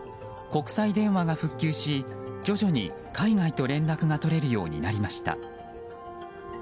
国際電話が復旧し、徐々に海外と連絡が取れるようになりました。